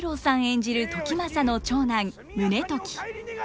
演じる時政の長男宗時。